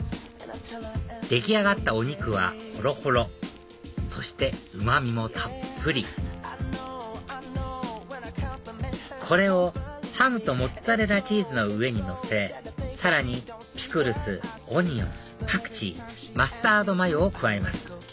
出来上がったお肉はほろほろそしてうま味もたっぷりこれをハムとモッツァレラチーズの上にのせさらにピクルスオニオンパクチーマスタードマヨを加えます